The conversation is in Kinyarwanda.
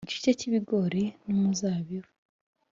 igice cy'ibigori n'umuzabibu,